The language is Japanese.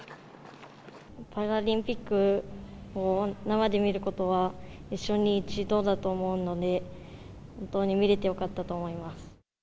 パラリンピックを生で見ることは、一生に一度だと思うので、本当に見れてよかったと思います。